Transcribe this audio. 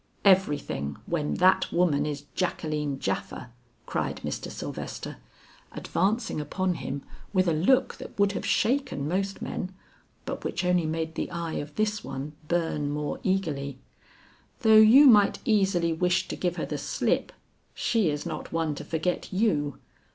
"Everything, when that woman is Jacqueline Japha," cried Mr. Sylvester, advancing upon him with a look that would have shaken most men, but which only made the eye of this one burn more eagerly. "Though you might easily wish to give her the slip, she is not one to forget you.